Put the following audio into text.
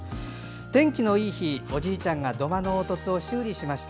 天気のいい日、おじいちゃんが土間のおうとつを修理しました。